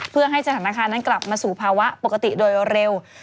เพื่อให้สถานการณ์นั้นกลับมาสู่ภาวะปกติโดยเร็ว